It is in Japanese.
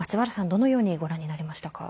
どのようにご覧になりましたか？